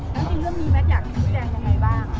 แล้วจริงเรื่องนี้แม็กซ์อยากชี้แจงอย่างไรบ้าง